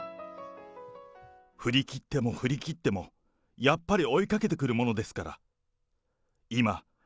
振り切っても振り切っても、やっぱり追いかけてくるものですから。